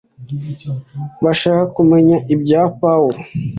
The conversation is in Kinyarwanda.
bashaka kumenya ibya pawulo